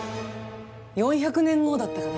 ４００年後だったかな。